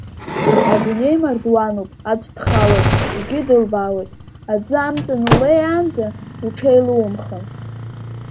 Адунеи мардуануп, аӡә дхалоит, егьи дылбаауеит, аӡы амҵан улеиаанӡа уҽеилумхын!